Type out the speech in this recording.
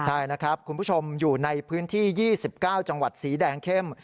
ใช่นะครับคุณผู้ชมอยู่ในพื้นที่๒๙จังหวัดสีแดงเข้ม